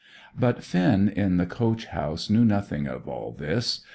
But Finn in the coach house knew nothing of all this.